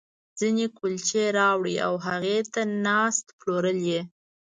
ځينې کُلچې راوړي او هغې ته ناست، پلورل یې.